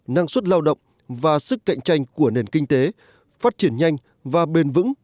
năng suất lao động và sức cạnh tranh của nền kinh tế phát triển nhanh và bền vững